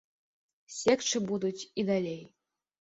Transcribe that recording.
Секчы будуць і далей.